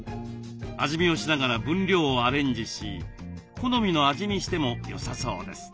味見をしながら分量をアレンジし好みの味にしてもよさそうです。